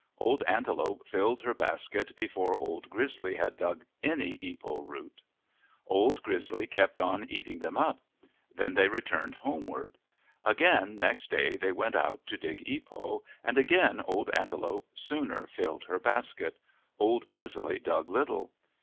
Old Antelope filled her basket before Old Grizzly had dug any ipo root. Old Grizzly kept on eating them up. Then they returned homeward. Again next day they went out to dig ipo, and again Old Antelope sooner filled her basket. Old Grizzly dug little.